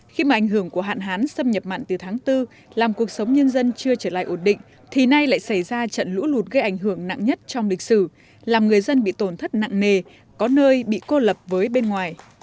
khi mà ảnh hưởng của hạn hán xâm nhập mặn từ tháng bốn làm cuộc sống nhân dân chưa trở lại ổn định thì nay lại xảy ra trận lũ lụt gây ảnh hưởng nặng nhất trong lịch sử làm người dân bị tổn thất nặng nề có nơi bị cô lập với bên ngoài